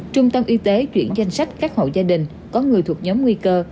trung tâm y tế chuyển danh sách các hộ gia đình có người thuộc nhóm nguy cơ